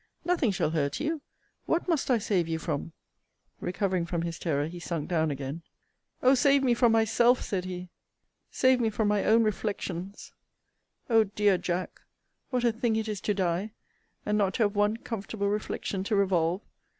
Nothing shall hurt you. What must I save you from? Recovering from his terror, he sunk down again, O save me from myself! said he; save me from my own reflections. O dear Jack! what a thing it is to die; and not to have one comfortable reflection to revolve!